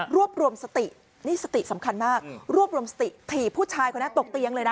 รวมสตินี่สติสำคัญมากรวบรวมสติถีบผู้ชายคนนั้นตกเตียงเลยนะ